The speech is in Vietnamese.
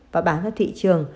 và bán vào thị trường